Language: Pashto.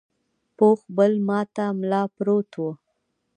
پوخ پل ماته ملا پروت و.